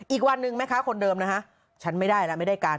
อีกวันหนึ่งแม่ค้าคนเดิมนะฮะฉันไม่ได้แล้วไม่ได้การ